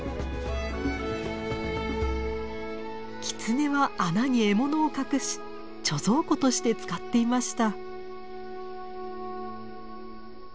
キツネは穴に獲物を隠し貯蔵庫として使っていました。